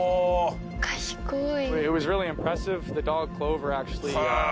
賢い。